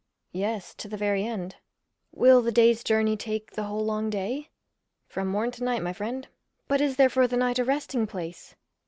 Yes, to the very end. Will the day's journey take the whole long day? From morn to night, my friend. But is there for the night a resting place?